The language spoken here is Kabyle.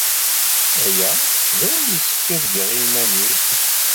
Aya d ayen yessefk ad geɣ iman-iw.